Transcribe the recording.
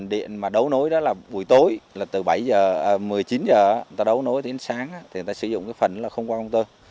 điện mà đấu nối đó là buổi tối là từ bảy h một mươi chín h người ta đấu nối đến sáng thì người ta sử dụng cái phần là không qua công tơ